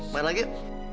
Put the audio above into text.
main lagi yuk